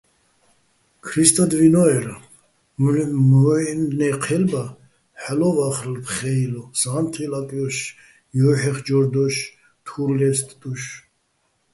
ქრისტადვინო́ერ, მუჲლნე́ჴელბა ჰ̦ალო̆ ვა́ხრალო̆ ფხე́ილო, სა́ნთელ აკჲოშ, ჲუჰ̦ეხჯორ დოშ, თურ ლე́სტდოშ.